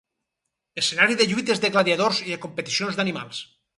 Escenari de lluites de gladiadors i de competicions d'animals.